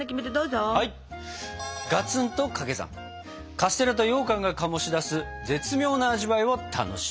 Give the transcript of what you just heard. カステラとようかんが醸し出す絶妙な味わいを楽しみます。